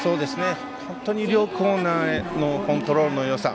本当に両コーナーへのコントロールのよさ。